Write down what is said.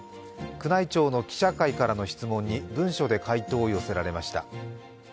宮内庁の記者会からの質問に文書で回答を寄せられました。